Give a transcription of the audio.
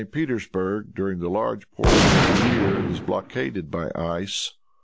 Petersburg, during a large portion of the year, is blockaded by ice.